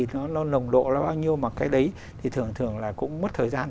nó nồng độ nó bao nhiêu mà cái đấy thì thường thường là cũng mất thời gian